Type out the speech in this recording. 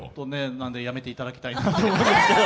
なんで、やめていただきたいなと思うんですけど。